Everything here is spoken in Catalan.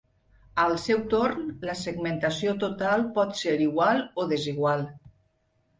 Al seu torn, la segmentació total pot ser igual o desigual.